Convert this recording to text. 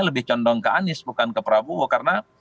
lebih condong ke anies bukan ke prabowo karena